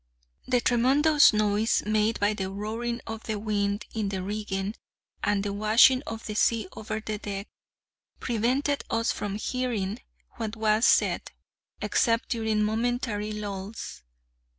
The tremendous noise made by the roaring of the wind in the rigging, and the washing of the sea over the deck, prevented us from hearing what was said, except during momentary lulls.